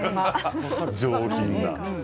上品な。